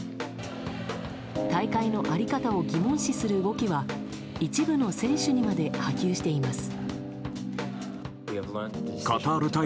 大会の在り方を疑問視する動きは一部の選手にまで波及しています。